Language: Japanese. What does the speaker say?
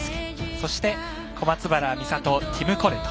そして小松原美里、ティム・コレト。